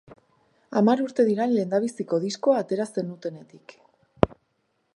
Hamar urte dira lehendabiziko diskoa atera zenutenetik.